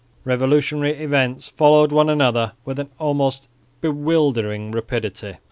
Revolutionary events followed one another with almost bewildering rapidity.